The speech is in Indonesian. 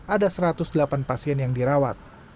ada satu ratus delapan pasien yang dirawat